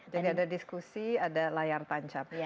jadi ada diskusi ada layar tancap